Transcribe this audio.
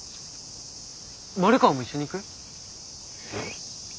丸川も一緒に行く？